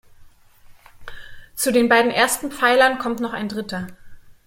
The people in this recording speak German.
Zu den beiden ersten Pfeilern kommt noch ein dritter.